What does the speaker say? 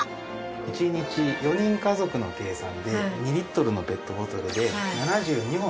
１日４人家族の計算で２リットルのペットボトルで７２本節約できます。